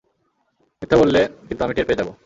মিথ্যা বললে কিন্তু আমি টের পেয়ে যাবো।